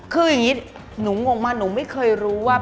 คืออย่างนี้หนูงงมากหนูไม่เคยรู้ว่า